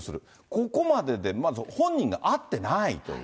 ここまでで本人が会ってないと。